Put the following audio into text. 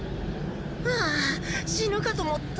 ああ死ぬかと思った。